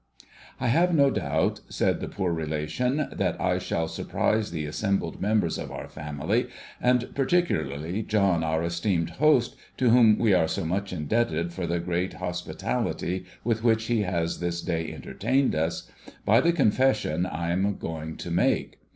I have no doubt (said the poor relation) that I shall surprise the assembled members of our family, and particularly John our esteemed host to whom we are so much indebted for the great hospitality with which he has this day entertained us, by the confession I am going to make.